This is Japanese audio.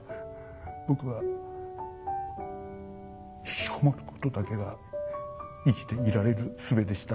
僕はひきこもることだけが生きていられるすべでした。